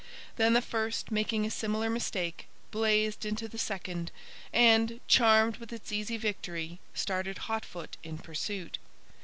Then the first, making a similar mistake, blazed into the second, and, charmed with its easy victory, started hotfoot in pursuit.